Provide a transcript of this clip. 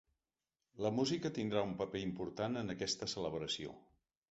La música tindrà un paper important en aquesta celebració.